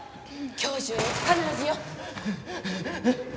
今日中に必ずよ。